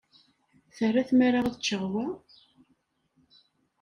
Terra tmara ad ččeɣ wa?